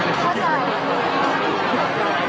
ขอบคุณครับขอบคุณครับ